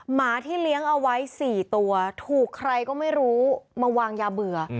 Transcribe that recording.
หมาที่เลี้ยงเอาไว้๔ตัวถูกใครก็ไม่รู้มาวางยาเบื่อ